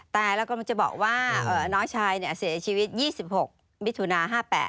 แต่เราก็จะบอกว่าน้อยชายเนี่ยเสียชีวิต๒๖มิถุนา๕๘